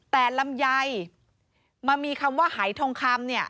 แต่ลำไยมันมีคำว่าหายทองคำเนี่ย